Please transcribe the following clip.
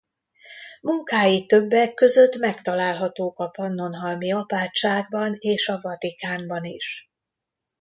Munkái többek között megtalálhatók a Pannonhalmi Apátságban és a Vatikánban is.